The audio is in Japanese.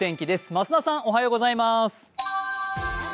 増田さん、おはようございます。